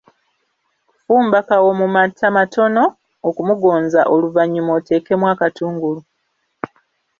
Fumba kawo mu mata matono okumugonza oluvannyuma oteekemu akatungulu.